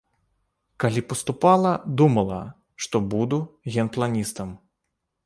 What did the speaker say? Калі паступала, думала, што буду генпланістам.